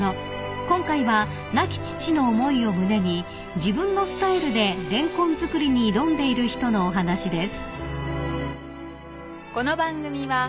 ［今回は亡き父の思いを胸に自分のスタイルでレンコン作りに挑んでいる人のお話です］